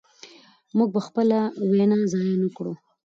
موږ به خپله وینه ضایع نه کړو.